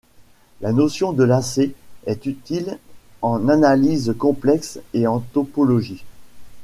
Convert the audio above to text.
La notion de lacet est utile en analyse complexe et en topologie.